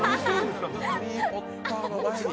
ハリー・ポッターの前に。